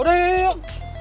udah yuk yuk yuk